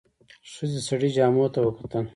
ښځې د سړي جامو ته وکتل.